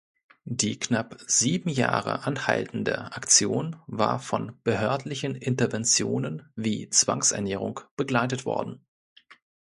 Die knapp sieben Jahre anhaltende Aktion war von behördlichen Interventionen wie Zwangsernährung begleitet worden.